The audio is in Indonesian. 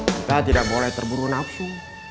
kita tidak boleh terburu nafsu